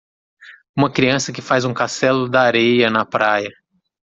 Uma criança que faz um castelo da areia na praia.